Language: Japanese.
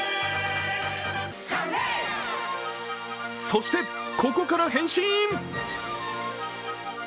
そしてここから変身。